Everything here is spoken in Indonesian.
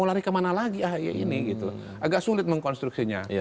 tarik kemana lagi ahi ini agak sulit mengkonstruksinya